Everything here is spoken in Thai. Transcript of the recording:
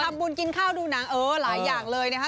กินข้าวดูหนังเออหลายอย่างเลยนะคะ